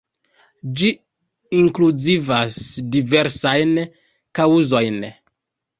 Ĝi inkluzivas diversajn kaŭzojn.